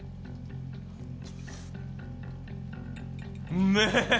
うめえ！